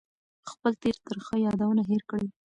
خپل تېر ترخه یادونه هېر کړئ.